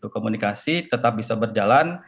komunikasi tetap bisa berjalan